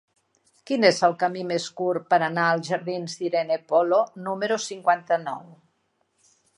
Quin és el camí més curt per anar als jardins d'Irene Polo número cinquanta-nou?